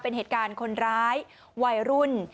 เป็นเหตุการณ์คนร้ายวัยรุ่น